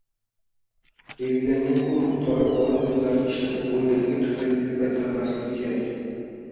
• Belgilangan pul miqdori bola pullarini ishlatib bo‘lganligi tufayli ko‘paytirilmasligi kerak.